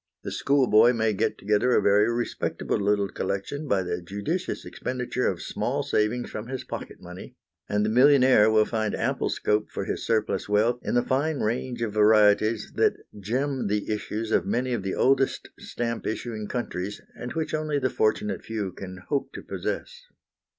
The schoolboy may get together a very respectable little collection by the judicious expenditure of small savings from his pocket money, and the millionaire will find ample scope for his surplus wealth in the fine range of varieties that gem the issues of many of the oldest stamp issuing countries, and which only the fortunate few can hope to possess.